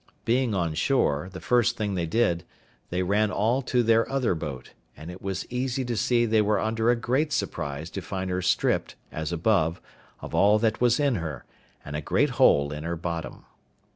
Being on shore, the first thing they did, they ran all to their other boat; and it was easy to see they were under a great surprise to find her stripped, as above, of all that was in her, and a great hole in her bottom.